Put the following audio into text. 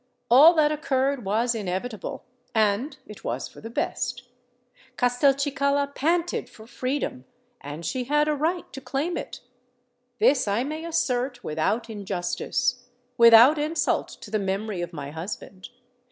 All that occurred was inevitable—and it was for the best. Castelcicala panted for freedom—and she had a right to claim it. This I may assert without injustice—without insult to the memory of my husband.